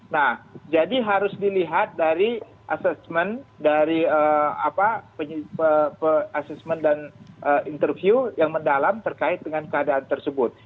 nah jadi harus dilihat dari assessment dari assessment dan interview yang mendalam terkait dengan keadaan tersebut